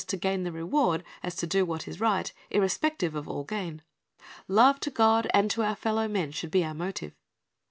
^' The Reward of Grace 399 gain the reward as to do what is right, irrespective of all gain. Love to God and to our fellow men should be our motive.